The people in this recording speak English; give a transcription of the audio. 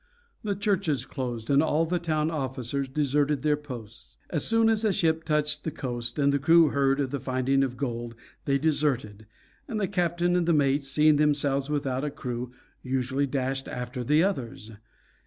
The churches closed, and all the town officers deserted their posts. As soon as a ship touched the coast and the crew heard of the finding of gold they deserted, and the captain and mates, seeing themselves without a crew, usually dashed after the others.